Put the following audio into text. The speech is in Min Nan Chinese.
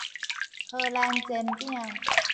荷蘭煎餅